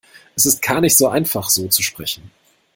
Es ist gar nicht so einfach, so zu sprechen.